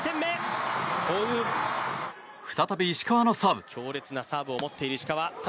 再び石川のサーブ。